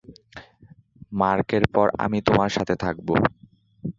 মার্কের পর আমি তোমার সাথে থাকবো।